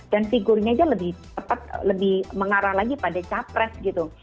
dan figurnya aja lebih tepat lebih mengarah lagi pada capres gitu